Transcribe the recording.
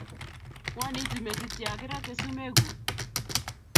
ng'wanitu metit ye kerate sumek kuk